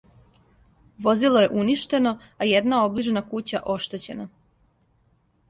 Возило је уништено, а једна оближња кућа оштећена.